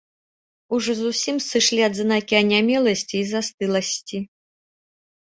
Ужо зусім сышлі адзнакі анямеласці і застыласці.